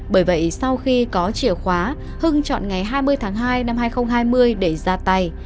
bởi vậy sau khi có chìa khóa hưng chọn ngày hai mươi tháng hai năm hai nghìn hai mươi để ra tay